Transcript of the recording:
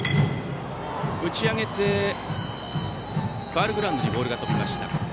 ファウルグラウンドにボールが飛びました。